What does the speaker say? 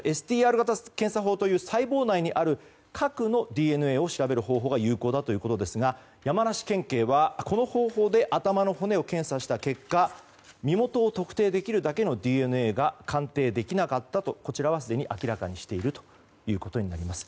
ＳＴＲ型検査法という細胞内にある核のＤＮＡを調べる方法が有効だということですが山梨県警は、この方法で頭の骨を検査した結果身元を特定できるだけのＤＮＡが鑑定できなかったとすでに明らかにしているということになります。